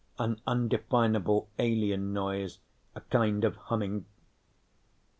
An undefinable alien noise, a kind of humming.